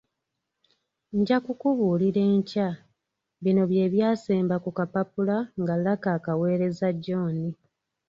“Nja kukubuulira enkya”. Bino bye by’asemba ku kapapula nga Lucky akaweereza John.